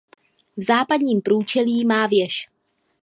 V západním průčelí má věž.